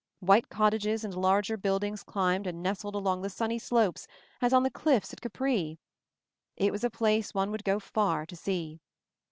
White cottages and larger buildings climbed and nestled along the sunny slopes as on the cliffs at Capri. It was a place one would go far to see.